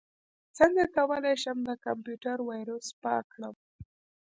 څنګه کولی شم د کمپیوټر ویروس پاک کړم